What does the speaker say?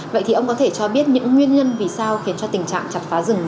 vậy thì ông có thể cho biết những nguyên nhân vì sao khiến cho tình trạng chặt phá rừng